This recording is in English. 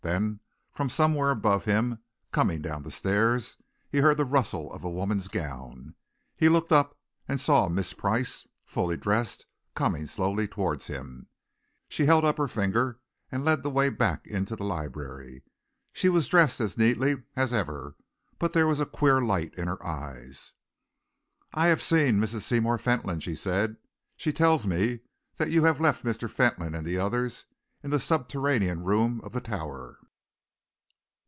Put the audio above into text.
Then, from somewhere above him, coming down the stairs, he heard the rustle of a woman's gown. He looked up, and saw Miss Price, fully dressed, coming slowly towards him. She held up her finger and led the way back into the library. She was dressed as neatly as ever, but there was a queer light in her eyes. "I have seen Mrs. Seymour Fentolin," she said. "She tells me that you have left Mr. Fentolin and the others in the subterranean room of the Tower."